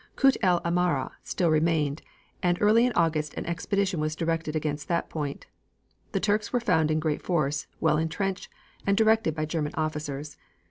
Kut el Amara still remained, and early in August an expedition was directed against that point. The Turks were found in great force, well intrenched, and directed by German officers.